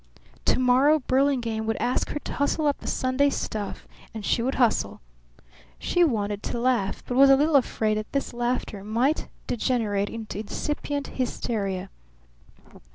To morrow Burlingame would ask her to hustle up the Sunday stuff, and she would hustle. She wanted to laugh, but was a little afraid that this laughter might degenerate into incipient hysteria.